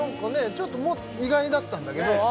ちょっと意外だったんだけどあ